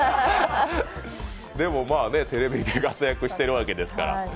でも、テレビで活躍してるわけですから。